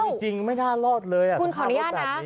เอาจริงไม่น่ารอดเลย